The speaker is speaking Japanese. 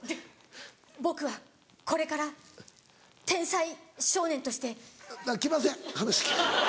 「僕はこれから天才少年として」。来ません。